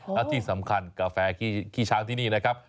และที่สำคัญกาแฟขี้ช้างที่นี่นะครับ